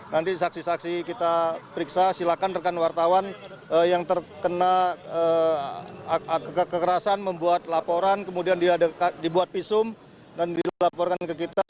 nanti saksi saksi kita periksa silakan rekan wartawan yang terkena kekerasan membuat laporan kemudian dibuat visum dan dilaporkan ke kita